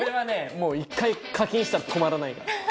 もう１回課金したら止まらないから。